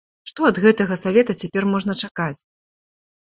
Што ад гэтага савета цяпер можна чакаць?